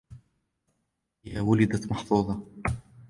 هي ولدت محظوظة.